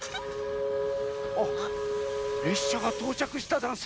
あっれっしゃがとうちゃくしたざんす。